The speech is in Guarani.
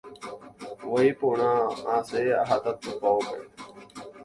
Voi porã asẽ aha tupãópe.